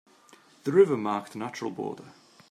The river marked a natural border.